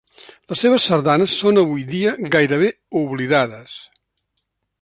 Les seves sardanes són avui dia gairebé oblidades.